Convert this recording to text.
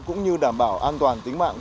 cũng như đảm bảo an toàn tính mạng